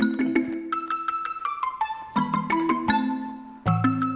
udah dikejelar di atas